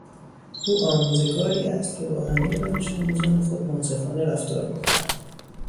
او آموزگاری است که با همهی دانشآموزان خود منصفانه رفتار میکند.